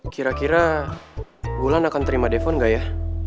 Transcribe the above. kira kira wulan akan terima depon gak ya